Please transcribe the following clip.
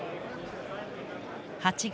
８月。